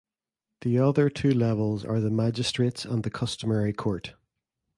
The other two levels are the Magistrates and the Customary Court.